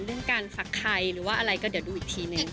เรื่องการฟักไข่หรือว่าอะไรก็เดี๋ยวดูอีกทีหนึ่ง